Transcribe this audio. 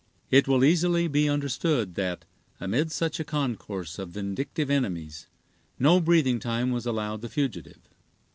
It will easily be understood that, amid such a concourse of vindictive enemies, no breathing time was allowed the fugitive.